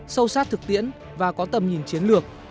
sâu sát thực tiễn và có tầm nhìn chiến lược